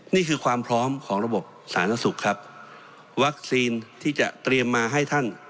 นี่คือความพร้อมของระบบสาธารณสุขครับวัคซีนที่จะเตรียมมาให้ท่าน